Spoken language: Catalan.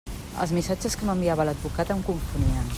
Els missatges que m'enviava l'advocat em confonien.